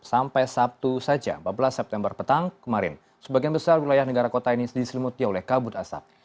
sampai sabtu saja empat belas september petang kemarin sebagian besar wilayah negara kota ini diselimuti oleh kabut asap